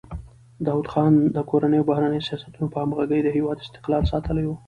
داوود خان د کورنیو او بهرنیو سیاستونو په همغږۍ د هېواد استقلال ساتلی و.